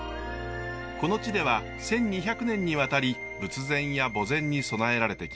この地では１，２００年にわたり仏前や墓前に供えられてきました。